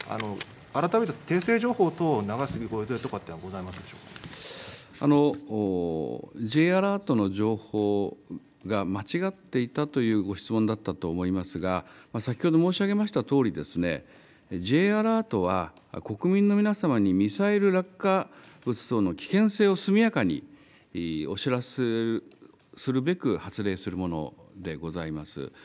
改めて訂正情報等を流すご予定とかっていうのはございますでしょＪアラートの情報が間違っていたというご質問だったと思いますが、先ほど申し上げましたとおり、Ｊアラートは国民の皆様にミサイル落下物等の危険性を速やかにお知らせするべく発令するものでございます。